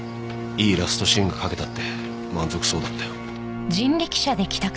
いいラストシーンが書けたって満足そうだったよ。